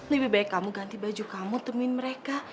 lebih baik kamu ganti baju kamu temenin mereka